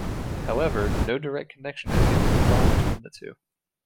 However, no direct connection has yet been drawn between the two.